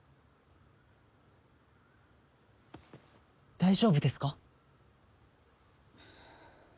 大丈夫ですか？